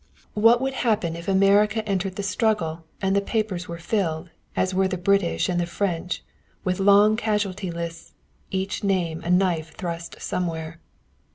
What would happen if America entered the struggle and the papers were filled, as were the British and the French, with long casualty lists, each name a knife thrust somewhere?